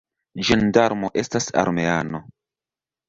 Ĝendarmo estas armeano.